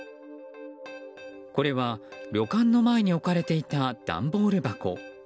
これは、旅館の前に置かれていた段ボール箱。